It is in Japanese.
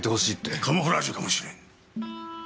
カモフラージュかもしれん。